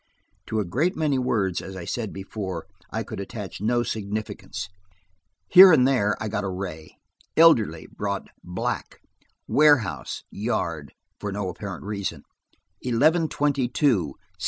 To a great many words, as I said before, I could attach no significance. Here and there I got a ray. "Elderly" brought "black." "Warehouse." "Yard," for no apparent reason. "Eleven twenty two."